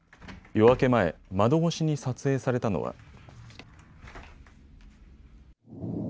夜明け前、窓越しに撮影されたのは。